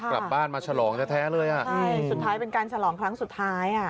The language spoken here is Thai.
กลับบ้านมาฉลองแท้เลยอ่ะใช่สุดท้ายเป็นการฉลองครั้งสุดท้ายอ่ะ